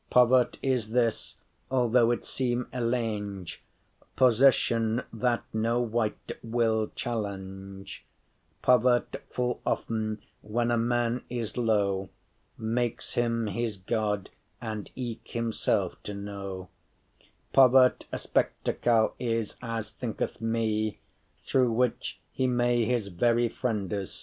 Povert’ is this, although it seem elenge* *strange <15> Possession that no wight will challenge Povert’ full often, when a man is low, Makes him his God and eke himself to know Povert’ a spectacle* is, as thinketh me *a pair of spectacles Through which he may his very* friendes see.